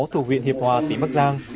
thủ huyện hiệp hòa tỉnh bắc giang